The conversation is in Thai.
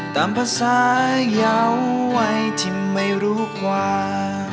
ตามภาษายาวไวที่ไม่รู้กว่า